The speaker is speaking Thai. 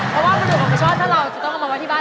เพราะว่าประดุกของประช่อนถ้าเราจะต้องเอามาไว้ที่บ้าน